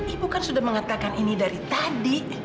ibu kan sudah mengatakan ini dari tadi